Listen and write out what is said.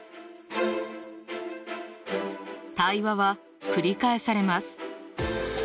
対話は繰り返されます。